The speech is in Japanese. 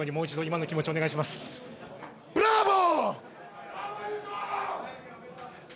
ブラボー！